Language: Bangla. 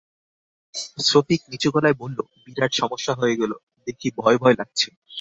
সফিক নিচু গলায় বলল, বিরাট সমস্যা হয়ে গেল দেখি ভয়ভয় লাগছে।